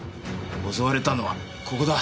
襲われたのはここだ。